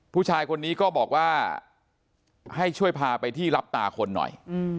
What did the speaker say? ผู้ชายคนนี้ก็บอกว่าให้ช่วยพาไปที่รับตาคนหน่อย